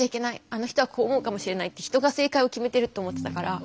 「あの人はこう思うかもしれない」って人が正解を決めてるって思ってたから。